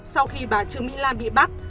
sau khi bà trương mỹ lan bị bắt